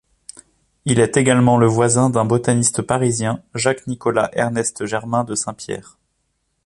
Il est également le voisin d'un botaniste parisien, Jacques Nicolas Ernest Germain de Saint-Pierre.